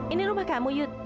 ini rumah kamu yud